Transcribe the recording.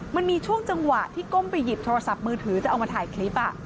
มันมีช่วงจังหวะที่ก้มไปหยิบโทรศัพท์มือถือจะเอามาถ่ายคลิป